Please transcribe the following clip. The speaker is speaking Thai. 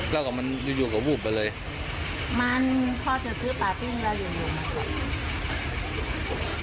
แล้วก็มันอยู่อยู่กับวูบไปเลยมันพ่อจะซื้อปลาปิ้งแล้วหลียวนะครับ